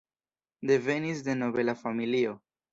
Devenis de nobela familio.